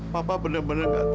papa bener bener gak tega